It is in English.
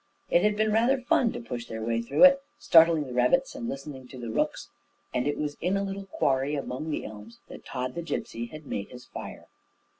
It had been rather fun to push their way through it, startling the rabbits, and listening to the rooks; and it was in a little quarry among the elms that Tod the Gipsy had made his fire.